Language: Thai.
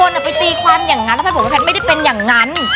ไปตีความอย่างนั้นแล้วแพทย์บอกว่าแพทย์ไม่ได้เป็นอย่างนั้น